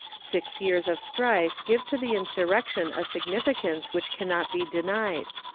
Six years of strife give to the insurrection a significance which can not be denied.